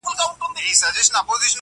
په لسګونو موږکان دلته اوسېږي,